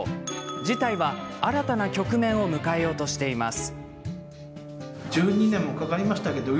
事態は、新たな局面を迎えようとしています。